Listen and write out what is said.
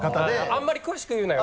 あんまり詳しく言うなよ。